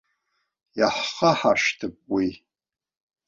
Иаҳхаҳаршҭып уи.